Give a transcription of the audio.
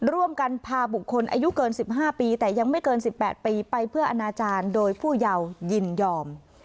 ร่วมกันพาบุคคลอายุเกิน๑๕ปีแต่ยังไม่เกิน๑๘ปีไปเพื่ออนาจารย์โดยผู้เยายินยอม